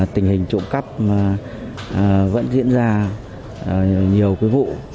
tình hình trộm cắp vẫn diễn ra nhiều vụ